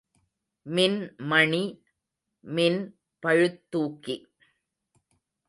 மின்மணி, மின் பளுத்துக்கி.